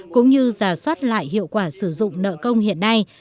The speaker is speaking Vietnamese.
cũng như giả soát lại hiệu quả sử dụng nợ công hiện nay